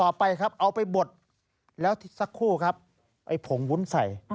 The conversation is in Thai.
ต่อไปครับเอาไปบดแล้วสักครู่ครับไอ้ผงวุ้นใส่